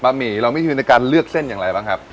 บะหมี่แล้วมิธีการเลือกเส้นอย่างไรบ้างครับ